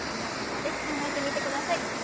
皆さんもぜひ考えてみて下さい。